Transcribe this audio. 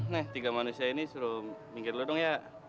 nih tiga manusia ini suruh minggir lu dong ya